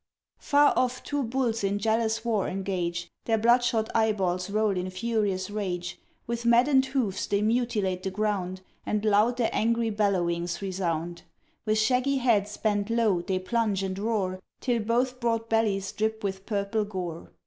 Far off, two bulls in jealous war engage, Their blood shot eye balls roll in furious rage; With maddened hoofs they mutilate the ground And loud their angry bellowings resound; With shaggy heads bent low they plunge and roar, Till both broad bellies drip with purple gore.